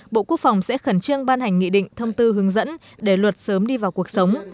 bộ quốc phòng sẽ khẩn trương ban hành nghị định thông tư hướng dẫn để luật sớm đi vào cuộc sống